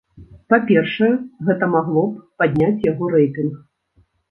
Па-першае, гэта магло б падняць яго рэйтынг.